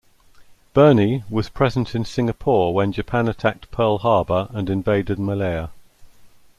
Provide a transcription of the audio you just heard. "Burnie" was present in Singapore when Japan attacked Pearl Harbor and invaded Malaya.